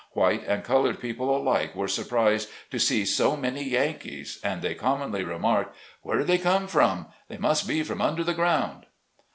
White and colored people alike were surprised to see so many "Yankees," and they com monly remarked, "Where did they come from? They must come from under the ground."